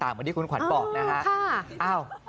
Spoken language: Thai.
เหมือนที่คุณขวัญบอกนะฮะ